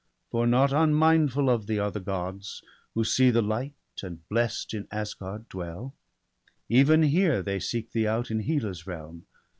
For not unmindful of thee are the Gods, Who see the light, and blest in Asgard dwell; Even here they seek thee out, in Hela's realm.